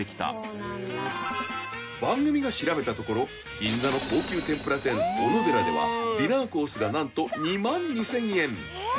［番組が調べたところ銀座の高級天ぷら店おのでらではディナーコースが何と］